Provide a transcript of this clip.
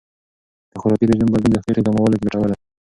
د خوراکي رژیم بدلون د خېټې کمولو کې ګټور دی.